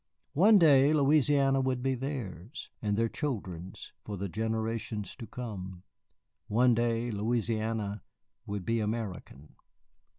One day Louisiana would be theirs and their children's for the generations to come. One day Louisiana would be American.